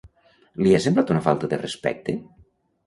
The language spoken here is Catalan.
Li ha semblat una falta de respecte?